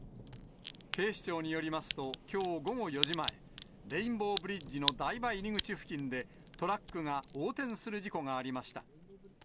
警視庁によりますと、きょう午後４時前、レインボーブリッジの台場入り口付近で、トラックが横転する事故がありました。